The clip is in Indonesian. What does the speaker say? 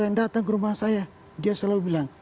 yang datang ke rumah saya